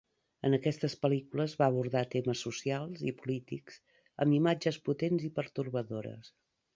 En aquestes pel·lícules va abordar temes socials i polítics amb imatges potents i pertorbadores.